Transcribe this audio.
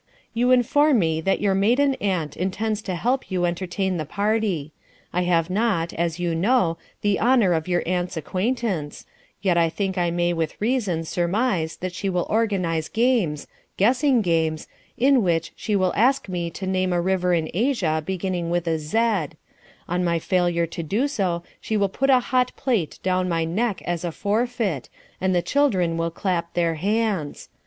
You inform me that your maiden aunt intends to help you to entertain the party. I have not, as you know, the honour of your aunt's acquaintance, yet I think I may with reason surmise that she will organize games guessing games in which she will ask me to name a river in Asia beginning with a Z; on my failure to do so she will put a hot plate down my neck as a forfeit, and the children will clap their hands.